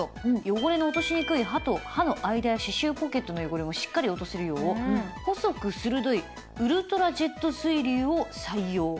汚れの落としにくい歯と歯の間や歯周ポケットの汚れをしっかり落とせるよう細く鋭いウルトラジェット水流を採用。